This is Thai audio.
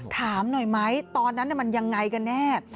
ถามหน่อยไหมตอนนั้นมันยังไงกันแน่